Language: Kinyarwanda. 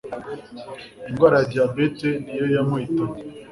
indwara ya diyabete niyo yamuhitanye